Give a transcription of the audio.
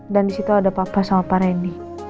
dan disitu ada papa sama pak reni